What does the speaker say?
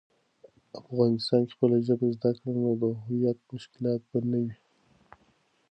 افغانسان کی خپله ژبه زده کړه، نو د هویت مشکلات به نه وي.